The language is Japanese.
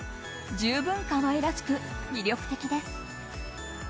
十分可愛らしく、魅力的です。